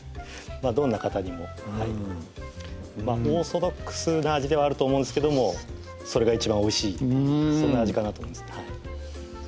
どんな方にもオーソドックスな味ではあると思うんですけどもそれが一番おいしいそういう味かなと思います